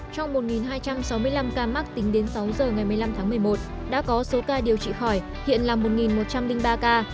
trong một hai trăm sáu mươi năm ca mắc tính đến sáu giờ ngày một mươi năm tháng một mươi một đã có số ca điều trị khỏi hiện là một một trăm linh ba ca